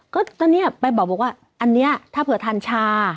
ก็เนี่ยไปบอกว่าอันนี้ถ้าเผื่อทานชา